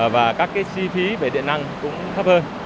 và các chi phí về điện năng cũng thấp hơn